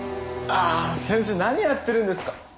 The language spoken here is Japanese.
ああ先生何やってるんですか。